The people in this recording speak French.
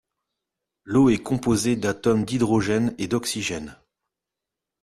L'eau est composée d'atomes d'hydrogène et d'oxygène.